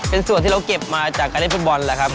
เป็นส่วนที่เราเก็บมาจากการเล่นฟุตบอลแหละครับ